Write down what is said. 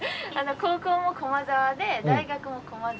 高校も駒澤で大学も駒澤。